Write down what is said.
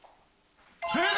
正解！